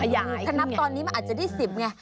อ๋อขยายขึ้นไงถ้านับตอนนี้มันอาจจะได้๑๐ไง